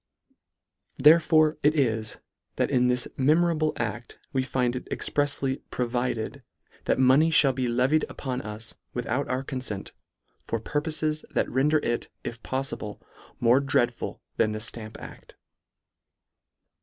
Therefore it is, that in this memorable acl: we find it exprefsly " provided" that money {hall be levied upon us without our confent, for purpofes, that render it, if poffible. more dreadful than the Stamp act.